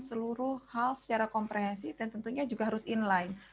seluruh hal secara komprehensif dan tentunya juga harus inline